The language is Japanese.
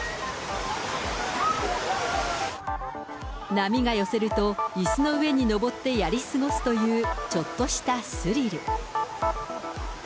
波が寄せると、いすの上に上ってやり過ごすという、ちょっとしたスリル。